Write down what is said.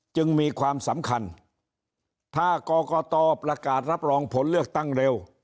จึงมีความสำคัญถ้ากรกตประกาศรับรองผลเลือกตั้งเร็ว